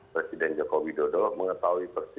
presiden jokowi dodo mengetahui